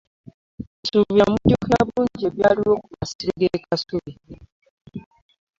Nsuubira mujjukira bulungi ebyaliwo ku masiro g'e kasubi.